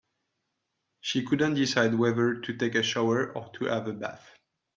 She couldn't decide whether to take a shower or to have a bath.